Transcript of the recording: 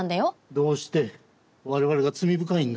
どうして我々が罪深いんだ？